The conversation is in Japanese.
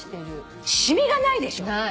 染みがないでしょ。